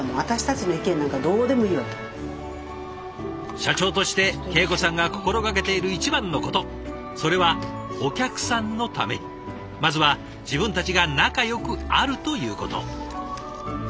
社長として恵子さんが心がけている一番のことそれはお客さんのためにまずは自分たちが仲よくあるということ。